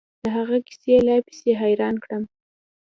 د هغه کيسې لا پسې حيران کړم.